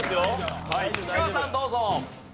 菊川さんどうぞ。